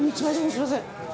すみません。